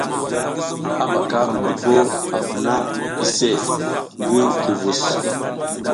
Hambaka mi ndupa a funa iseʼe ngi duvus.